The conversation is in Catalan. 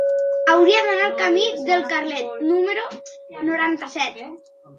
Hauria d'anar al camí del Carlet número noranta-set.